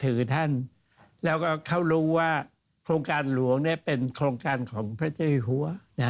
ถือท่านแล้วก็เขารู้ว่าโครงการหลวงเป็นโครงการของพระเจ้าอยู่หัว